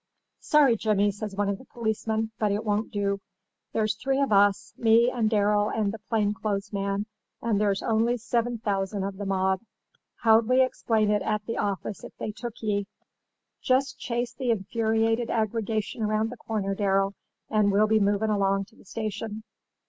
"'Sorry, Jimmy,' says one of the policemen, 'but it won't do. There's three of us—me and Darrel and the plain clothes man; and there's only sivin thousand of the mob. How'd we explain it at the office if they took ye? Jist chase the infuriated aggregation around the corner, Darrel, and we'll be movin' along to the station.